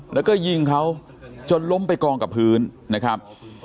แล้วก็ยิงเขาจนล้มไปกองกับพื้นนะครับ